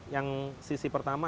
yang sisi pertama